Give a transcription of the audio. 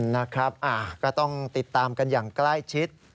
นะครับก็ต้องติดตามกันอย่างใกล้ชิด